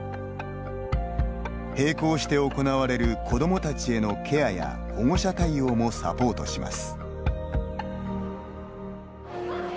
並行して行われる子どもたちへのケアや保護者対応もサポートします。